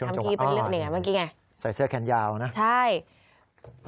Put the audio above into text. นี่ค่ะช่วงจังหวะอ๋อใส่เสื้อแขนยาวนะใช่ทำงี้เป็นเรื่องนี้ไง